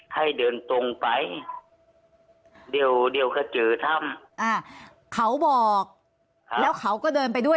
ให้เดินตรงไปเดี๋ยวเดี๋ยวก็เจอถ้ำอ่าเขาบอกแล้วเขาก็เดินไปด้วย